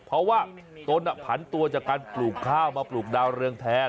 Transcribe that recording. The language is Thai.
เพราะว่าตนผันตัวจากการปลูกข้าวมาปลูกดาวเรืองแทน